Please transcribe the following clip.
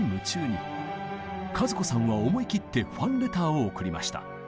和子さんは思い切ってファンレターを送りました。